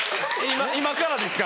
今からですか？